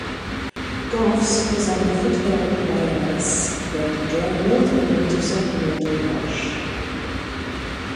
Goffs is on the foothill bajadas that drain northward into Sacramento Wash.